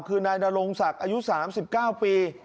คือนายนรงศักดิ์อายุ๓๙ปี